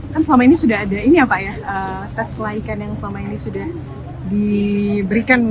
dan selama ini sudah ada tes kelaikan yang selama ini sudah diberikan